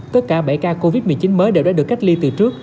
tất cả bảy ca covid một mươi chín mới đều đã được cách ly từ trước